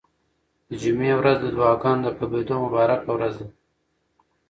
د جمعې ورځ د دعاګانو د قبلېدو مبارکه ورځ ده.